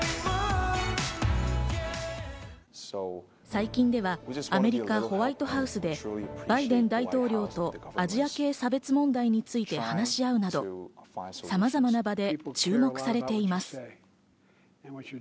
最近ではアメリカ、ホワイトハウスでバイデン大統領とアジア系差別問題に関して話し合うなどさまざまな場で注目されています。